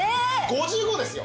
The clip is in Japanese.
５５ですよ！